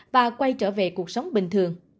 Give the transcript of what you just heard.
và quay trở về cuộc sống bình thường